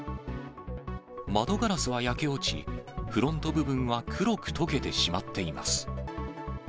窓ガラスは焼け落ち、フロント部分は黒く溶けてしまっています。